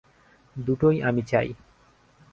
দুটোই আমি চাই।